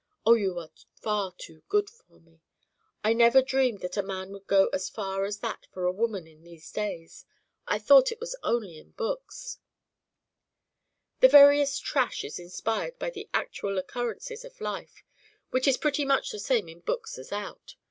Oh, you are far too good for me. I never dreamed that a man would go as far as that for a woman in these days. I thought it was only in books " "The veriest trash is inspired by the actual occurrences of life which is pretty much the same in books as out.